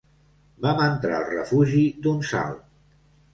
Vam entrar al refugi d'un salt